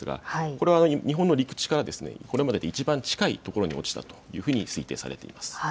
これは日本の陸地からこれまででいちばん近いところに落ちたというふうに推定されます。